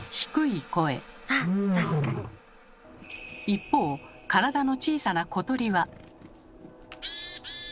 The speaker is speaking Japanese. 一方体の小さな小鳥は。